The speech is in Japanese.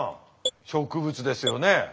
植物ですよね。